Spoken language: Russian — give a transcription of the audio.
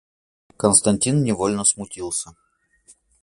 Константин невольно смутился.